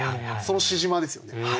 その沈黙ですよね。